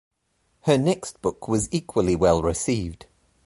Her next book was equally well received.